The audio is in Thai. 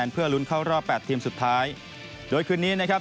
เพื่อลุ้นเข้ารอบแปดทีมสุดท้ายโดยคืนนี้นะครับ